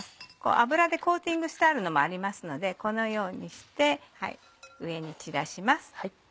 油でコーティングしてあるのもありますのでこのようにして上にちらします。